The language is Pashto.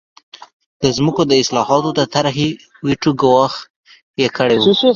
د ځمکو د اصلاحاتو د طرحې ویټو ګواښ یې کړی و.